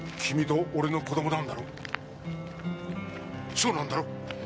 そうなんだろう？